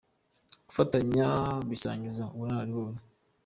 Gufatanya bisangiza ubunararibonye